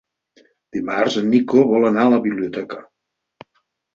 Dimarts en Nico vol anar a la biblioteca.